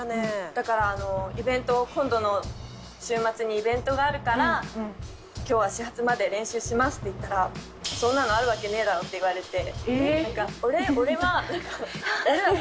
だから「イベント今度の週末にイベントがあるから今日は始発まで練習します」って言ったら「そんなのあるわけねぇだろ」って言われて。